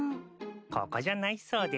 ここじゃないそうです。